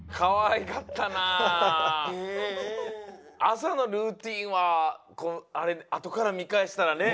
朝のルーティーンはあとから見かえしたらね